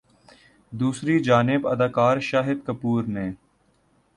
دوسری جانب اداکار شاہد کپور نے